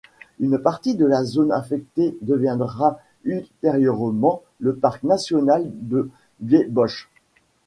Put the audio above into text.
Une partie de la zone affectée deviendra ultérieurement le parc national De Biesbosch.